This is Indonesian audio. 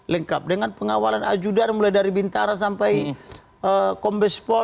lengkap dengan pengawalan ajudan mulai dari bintara sampai kombespol